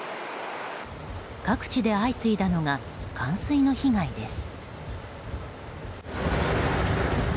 各地で相次いだのが冠水の被害です。